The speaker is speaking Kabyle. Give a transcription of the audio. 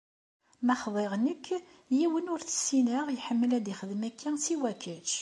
Ma xḍiɣ nekk, yiwen ur t-ssineɣ iḥemmel ad ixdem akka siwa kečč.